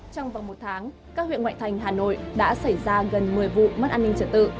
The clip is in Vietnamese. trong vòng một tháng các huyện ngoại thành hà nội đã xảy ra gần một mươi vụ mất an ninh trật tự